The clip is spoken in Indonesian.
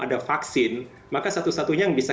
ada vaksin maka satu satunya yang bisa